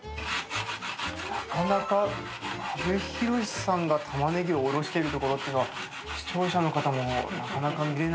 なかなか阿部寛さんがタマネギをおろしてるところっていうのは視聴者の方もなかなか見れないんじゃないですか？